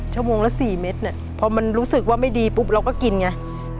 ชั่วโมงละ๔เม็ดเนี่ยพอมันรู้สึกว่าไม่ดีปุ๊บเราก็กินไง